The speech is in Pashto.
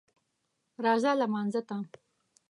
راځه لمانځه ته